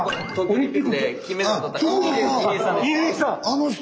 あの人！